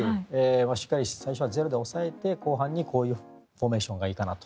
しっかり最初はゼロで抑えて後半にこういうフォーメーションがいいかなと。